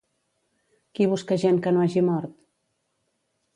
Qui busca gent que no hagi mort?